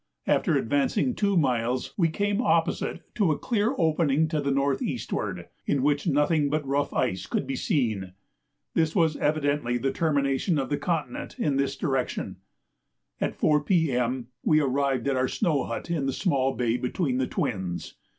After advancing two miles we came opposite to a clear opening to the north eastward, in which nothing but rough ice could be seen. This was evidently the termination of the continent in this direction. At 4 P.M. we arrived at our snow hut in the small bay between the Twins.